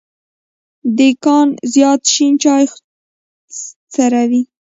دیکان زیات شين چای څوروي.